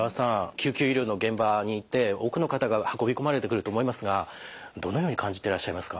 救急医療の現場にいて多くの方が運び込まれてくると思いますがどのように感じてらっしゃいますか？